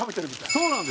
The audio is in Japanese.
そうなんです。